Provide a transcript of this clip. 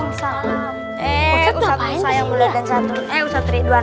eh usah usah yang dua